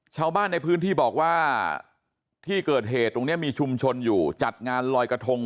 ชาวบ้านในพื้นที่บอกว่าที่เกิดเหตุตรงนี้มีชุมชนอยู่จัดงานลอยกระทง